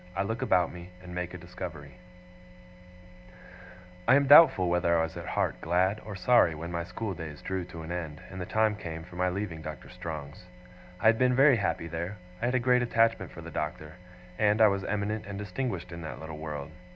I LOOK ABOUT ME, AND MAKE A DISCOVERY I am doubtful whether I was at heart glad or sorry, when my school days drew to an end, and the time came for my leaving Doctor Strong's. I had been very happy there, I had a great attachment for the Doctor, and I was eminent and distinguished in that little world.